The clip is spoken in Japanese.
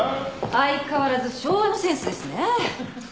相変わらず昭和のセンスですね。